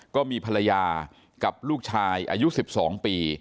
ก็มีภรรยากับลูกชายอายุ๑๒ปี